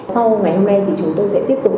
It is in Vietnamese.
sau ngày hôm nay thì chúng tôi sẽ tiếp tục